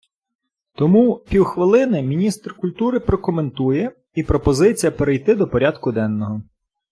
Тому, півхвилини, міністр культури прокоментує і пропозиція перейти до порядку денного.